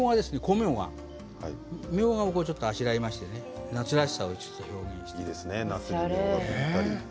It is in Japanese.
みょうがをあしらいましてね夏らしさを表現してみます。